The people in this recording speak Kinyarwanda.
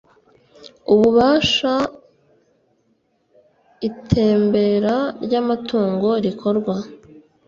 Ububasha itembera ry amatungo rikorwa